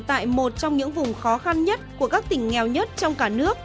tại một trong những vùng khó khăn nhất của các tỉnh nghèo nhất trong cả nước